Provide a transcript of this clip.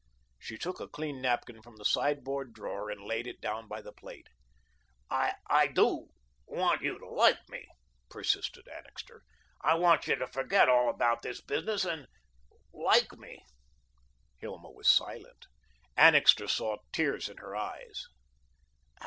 She took a clean napkin from the sideboard drawer and laid it down by the plate. "I I do want you to like me," persisted Annixter. "I want you to forget all about this business and like me." Hilma was silent. Annixter saw the tears in her eyes.